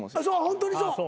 ホントにそう。